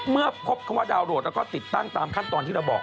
เมื่อพบคำว่าดาวนโหลดแล้วก็ติดตั้งตามขั้นตอนที่เราบอก